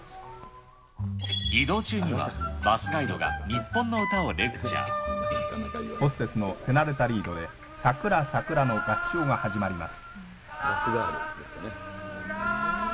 移動中にはバスガイドが日本ホステスの手慣れたリードでさくらさくらの合唱が始まります。